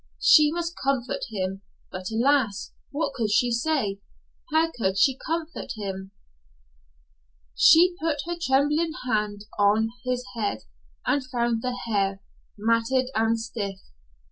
She must comfort him but alas! What could she say? How could she comfort him? She put her trembling hand on his head and found the hair matted and stiff.